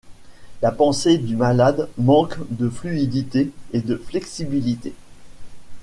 La pensée du malade manque de fluidité et de flexibilité.